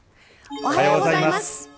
おはようございます。